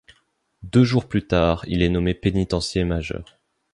Deux jours plus tard, il est nommé Pénitencier majeur.